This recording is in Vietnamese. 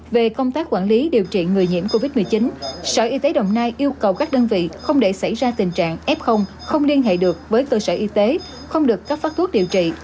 về công tác quản lý điều trị người nhiễm covid một mươi chín sở y tế đồng nai yêu cầu các đơn vị không để xảy ra tình trạng f không liên hệ được với cơ sở y tế